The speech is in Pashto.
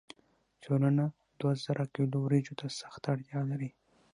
ټولنه دوه زره کیلو وریجو ته سخته اړتیا لري.